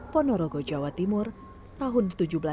di tiongkok jawa timur tahun seribu tujuh ratus lima puluh dua